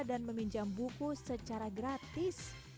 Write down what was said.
dan meminjam buku secara gratis